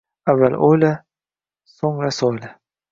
Avval o'yla, so’ngra so'yla.